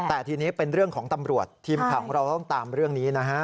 แต่ทีนี้เป็นเรื่องของตำรวจทีมข่าวของเราต้องตามเรื่องนี้นะฮะ